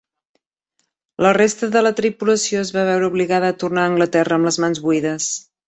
La resta de la tripulació es va veure obligada a tornar a Anglaterra amb les mans buides.